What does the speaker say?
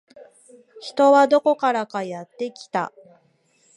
人はどこからかやってきた